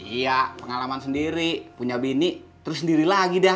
iya pengalaman sendiri punya bini terus sendiri lagi dah